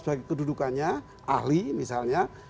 sebagai penduduknya ahli misalnya